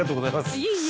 いえいえ。